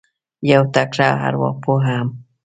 یو تکړه اروا پوه هم